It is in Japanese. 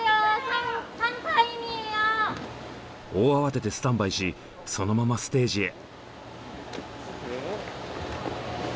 大慌てでスタンバイしそのままステージへ。